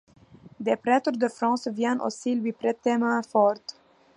Des prêtres de France viennent aussi lui prêter main-forte.